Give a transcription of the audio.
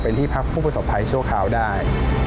เป็นที่พักผู้ประสบภัยชั่วคราวได้